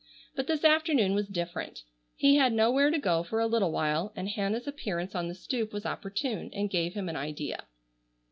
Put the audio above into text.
But this afternoon was different. He had nowhere to go for a little while, and Hannah's appearance on the stoop was opportune and gave him an idea.